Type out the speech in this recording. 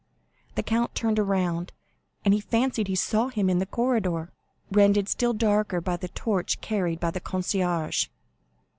The count turned around, and fancied he saw him in the corridor, rendered still darker by the torch carried by the concierge.